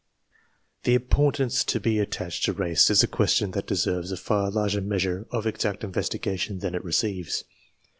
The importance to be attached to race is a question that deserves a far larger measure of exact investigation than it receives.